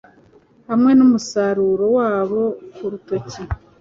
Hamwe n’umusaruro wabo kurutoki